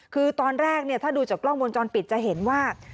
คือตอนแรกถ้าดูจากกล้องวงจรปิดจะเห็นว่า